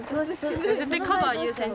絶対カバー優先じゃん。